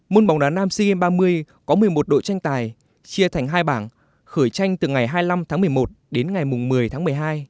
môn bóng đá nam sea games ba mươi có một mươi một đội tranh tài chia thành hai bảng khởi tranh từ ngày hai mươi năm tháng một mươi một đến ngày một mươi tháng một mươi hai